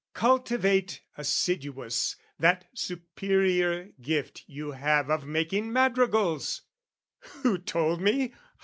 Cultivate "Assiduous, that superior gift you have "Of making madrigals (who told me?